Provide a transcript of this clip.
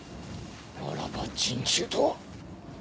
ならば人誅とは。